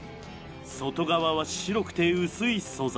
外側は白くて薄い素材。